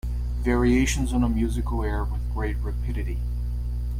Variations on a musical air With great rapidity.